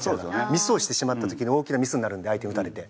ミスをしてしまった時に大きなミスになるんで相手に打たれて。